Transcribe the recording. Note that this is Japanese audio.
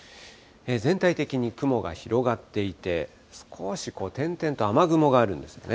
全体的に雲が広がっていて、少しこう、点々と雨雲があるんですよね。